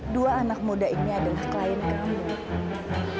dua anak muda ini adalah klien kedua